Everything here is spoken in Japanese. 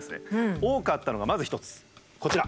多かったのがまず一つこちら。